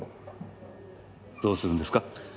どうするんですか？